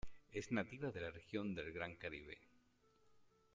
Es nativa de la región del Gran Caribe.